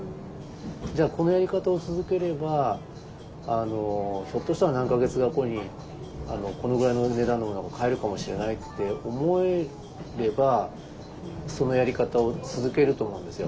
じゃあこのやり方を続ければひょっとしたら何か月か後にこのぐらいの値段のものが買えるかもしれないって思えればそのやり方を続けると思うんですよ。